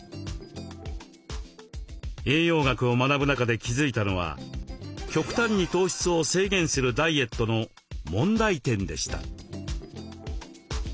栄養学を学ぶ中で気付いたのは極端に糖質を制限するダイエットの問題点でした。